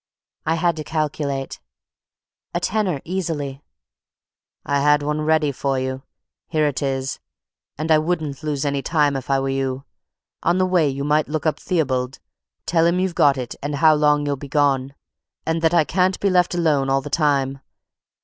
I had to calculate. "A tenner, easily." "I had one ready for you. Here it is, and I wouldn't lose any time if I were you. On the way you might look up Theobald, tell him you've got it and how long you'll be gone, and that I can't be left alone all the time.